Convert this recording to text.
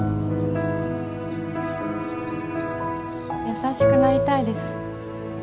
優しくなりたいです